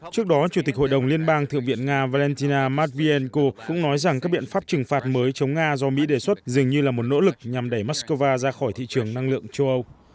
trước đó chủ tịch hội đồng liên bang thượng viện nga bentina matvienko cũng nói rằng các biện pháp trừng phạt mới chống nga do mỹ đề xuất dường như là một nỗ lực nhằm đẩy moscow ra khỏi thị trường năng lượng châu âu